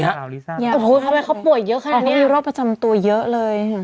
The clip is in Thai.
ทำไมเขาป่วยเยอะขนาดนี้เขามีรอบประจำตัวเยอะเลย